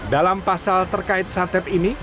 dalam pasal terkait santet ini